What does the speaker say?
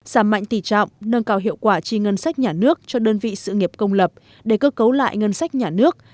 giảm mạnh tỷ trọng nâng cao hiệu quả chi ngân sách nhà nước cho đơn vị sự nghiệp công lập để cơ cấu lại ngân sách nhà nước